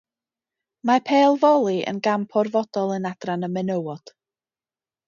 Mae pêl foli yn gamp orfodol yn adran y menywod.